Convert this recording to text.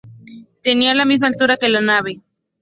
Tenía la misma altura que la nave.